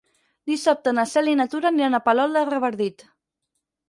Dissabte na Cel i na Tura aniran a Palol de Revardit.